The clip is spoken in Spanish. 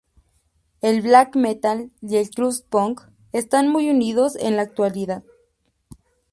El black metal y el crust punk están muy unidos en la actualidad.